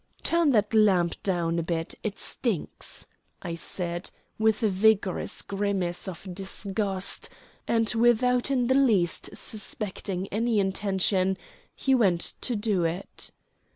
"Turn that lamp down a bit, it stinks," I said, with a vigorous grimace of disgust, and, without in the least suspecting my intention, he went to do it.